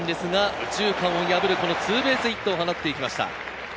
右中間を破るツーベースヒットを放って行きました。